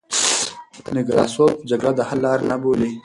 نکراسوف جګړه د حل لار نه بولي.